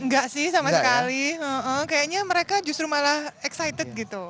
gak sih sama sekali kayaknya mereka justru malah excited gitu